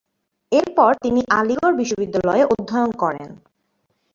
এরপর তিনি আলিগড় বিশ্ববিদ্যালয়ে অধ্যয়ন করেন।